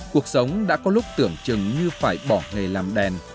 cuộc sống đã có lúc tưởng chừng như phải bỏ nghề làm đèn